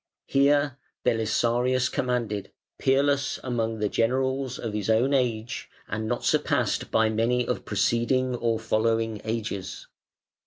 Here Belisarius commanded, peerless among the generals of his own age, and not surpassed by many of preceding or following ages.